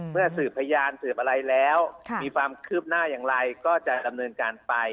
สืบพยานสืบอะไรแล้วมีความคืบหน้าอย่างไรก็จะดำเนินการไป